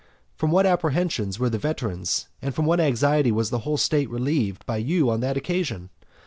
From what apprehensions were the veterans, and from what anxiety was the whole state relieved by you on that occasion!